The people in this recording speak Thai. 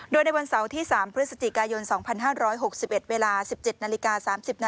โดยในวันเสาร์ที่๓พฤศจิกายน๒๕๖๑เวลา๑๗นาฬิกา๓๐นาที